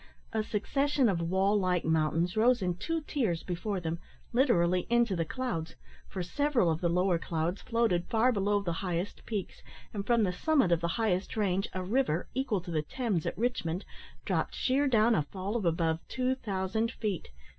A succession of wall like mountains rose in two tiers before them literally into the clouds, for several of the lower clouds floated far below the highest peaks, and from the summit of the highest range a river, equal to the Thames at Richmond, dropt sheer down a fall of above two thousand feet.